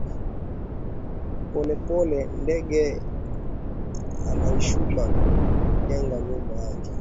Polepole ndege anaishaka ku jenga nyumba yake